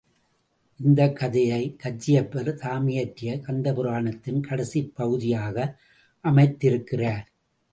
இந்தக் கதையை கச்சியப்பர் தாமியற்றிய கந்த புராணத்தின் கடைசிப் பகுதியாக அமைத்திருக்கிறார்.